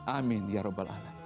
amin ya rab